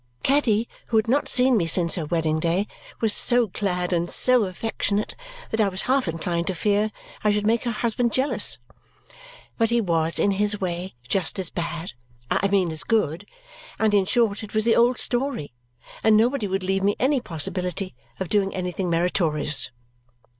Caddy, who had not seen me since her wedding day, was so glad and so affectionate that I was half inclined to fear I should make her husband jealous. But he was, in his way, just as bad I mean as good; and in short it was the old story, and nobody would leave me any possibility of doing anything meritorious.